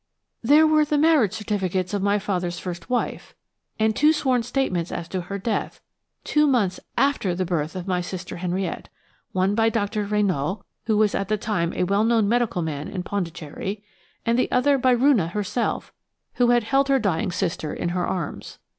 "There were the marriage certificates of my father's first wife–and two sworn statements as to her death, two months after the birth of my sister Henriette; one by Dr. Rénaud, who was at the time a well known medical man in Pondicherry, and the other by Roonah herself, who had held her dying sister in her arms.